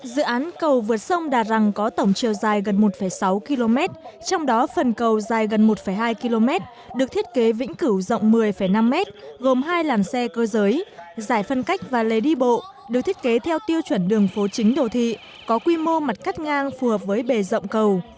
dự án cầu vượt sông đà răng có tổng chiều dài gần một sáu km trong đó phần cầu dài gần một hai km được thiết kế vĩnh cửu rộng một mươi năm m gồm hai làn xe cơ giới giải phân cách và lề đi bộ được thiết kế theo tiêu chuẩn đường phố chính đồ thị có quy mô mặt cắt ngang phù hợp với bề rộng cầu